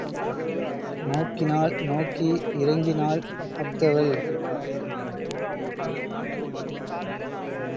நோக்கினாள் நோக்கி இறைஞ்சினாள் அஃதவள்.